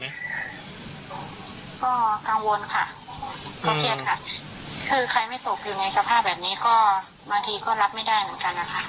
คือใครไม่ตกอยู่ในสภาพแบบนี้ก็บางทีก็รับไม่ได้เหมือนกันนะคะ